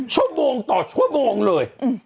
ชั่วโมงต่อชั่วโมงเลย